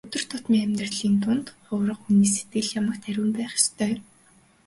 Өдөр тутмын амьдралын дунд хувраг хүний сэтгэл ямагт ариун байх ёстой.